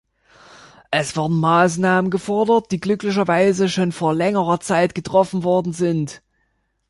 Es werden Maßnahmen gefordert, die glücklicherweise schon vor längerer Zeit getroffen worden sind.